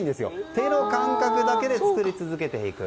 手の感覚だけで作り続けていく。